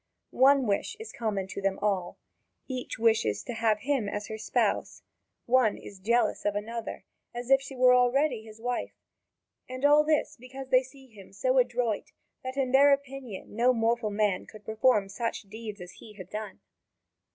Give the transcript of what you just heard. One wish is common to them all each wishes to have him as her spouse. One is jealous of another, as if she were already his wife; and all this is because they see him so adroit that in their opinion no mortal man could perform such deeds as he had done.